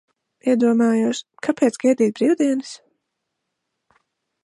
Iedomājos, kāpēc gaidīt brīvdienas?